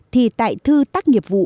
thì tại thư tác nghiệp vụ